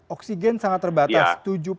oksigen sangat terbatas